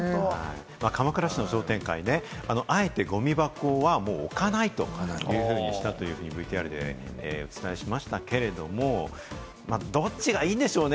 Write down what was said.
鎌倉市の商店会、あえてゴミ箱は置かないというふうにしたというふうにＶＴＲでもお伝えしましたけれども、どっちがいいんでしょうね？